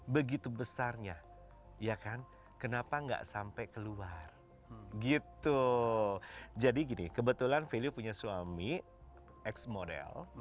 begitu besarnya ya kan kenapa enggak sampai keluar gitu jadi gini kebetulan value punya suami x model